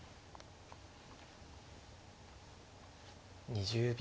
２０秒。